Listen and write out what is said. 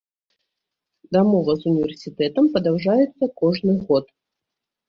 Дамова з універсітэтам падаўжаецца кожны год.